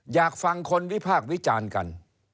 อยากฟังคนวิพากษ์วิจารณ์กัน